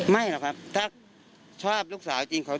หรอกครับถ้าชอบลูกสาวจริง